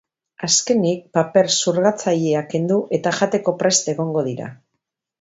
Azkenik, paper zurgatzailea kendu eta jateko prest egongo dira.